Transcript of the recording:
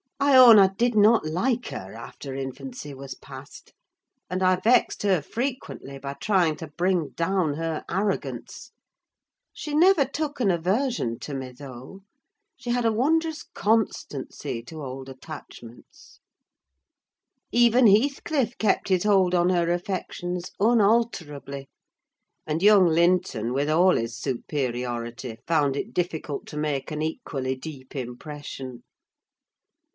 I own I did not like her, after infancy was past; and I vexed her frequently by trying to bring down her arrogance: she never took an aversion to me, though. She had a wondrous constancy to old attachments: even Heathcliff kept his hold on her affections unalterably; and young Linton, with all his superiority, found it difficult to make an equally deep impression.